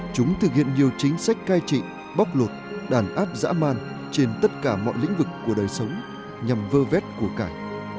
chúng thực hiện nhiều chính sách cai trị bóc lột đàn áp dã man trên tất cả mọi lĩnh vực của đời sống nhằm vơ vét của cải